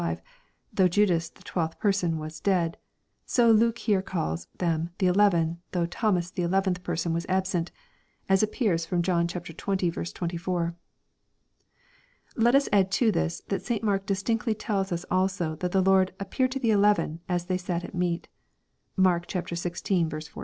5,) though Judas the twelfth person was dead ; so Luke here calls them ihe eleven, though Thomas the eleventh person was absent, as appears from John xx. 24." Let us add to this, that St. Mark distintly tells us also, that the Lord " appeared to the eleven, as they sat at meat" (Mark xvi. 14.)